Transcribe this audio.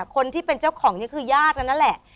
คนที่เป็นเจ้าของนี่คือญาติกันนั่นแหละ